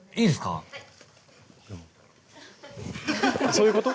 そういうこと？